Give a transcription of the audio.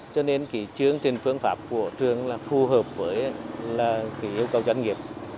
cho nên kỳ chướng trên phương pháp của trường là phù hợp với yêu cầu doanh nghiệp